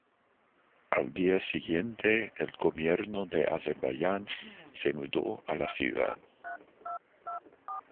Al día siguiente, el gobierno de Azerbaiyán se mudó a la ciudad.